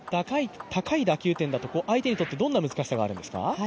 高い打球点だと相手にとってどんな難しさがあるんですか。